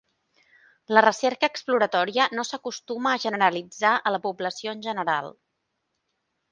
La recerca exploratòria no s'acostuma a generalitzar a la població en general.